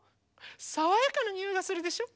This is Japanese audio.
さわやかなにおいがするでしょ。